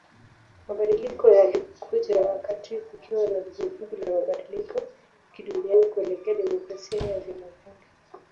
Mabadiliko yalikuja wakati kukiwa na vuguvugu la mabadiliko kidunia kuelekea demokrasia ya vyama vingi